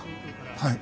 はい。